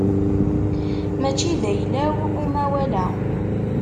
Mačči d ayla-w umawal-a.